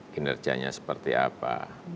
kinerjanya seperti apa